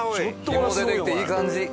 日も出てきていい感じ。